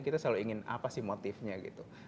kita selalu ingin apa sih motifnya gitu